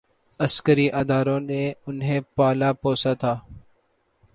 عسکری اداروں نے انہیں پالا پوسا تھا۔